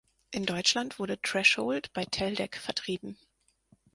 In Deutschland wurde Threshold bei Teldec vertrieben.